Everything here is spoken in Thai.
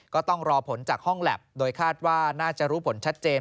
ก็ต้องรอผลจากห้องแล็บโดยคาดว่าน่าจะรู้ผลชัดเจน